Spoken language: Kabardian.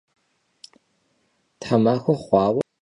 Themaxue xhuaue zızoğepsexu.